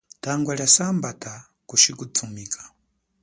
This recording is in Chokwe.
Tangwa lia sambata kushi kuthumika.